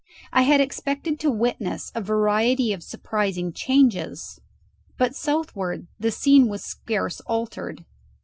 I had expected to witness a variety of surprising changes; but southward the scene was scarce altered.